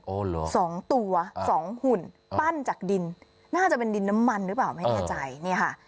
สองตัวสองหุ่นปั้นจากดินน่าจะเป็นดินน้ำมันหรือเปล่าไม่แน่ใจเนี่ยค่ะ